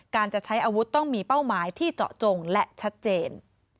จะใช้อาวุธต้องมีเป้าหมายที่เจาะจงและชัดเจน